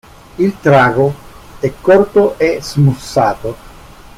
Il trago è corto e smussato.